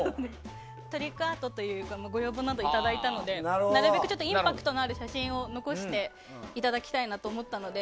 トリックアートというご要望などもいただいたのでなるべくインパクトのある写真を残していただきたいなと思ったので。